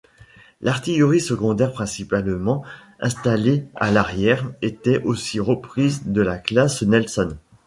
L'artillerie secondaire principalement installée à l'arrière était aussi reprise de la classe Nelson.